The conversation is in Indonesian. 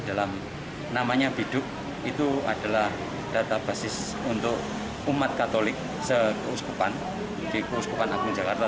dalam namanya biduk itu adalah data basis untuk umat katolik sekeuskupan di keuskupan agung jakarta